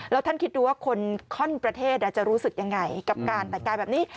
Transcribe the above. แล้วท่านคิดดูว่าคนข้อนประเทศจะรู้สึกยังไงกับการแต่งกายแบบนี้